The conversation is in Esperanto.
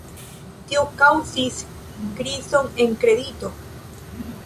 Tio kaŭzis krizon en kredito.